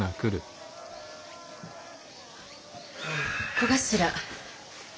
小頭。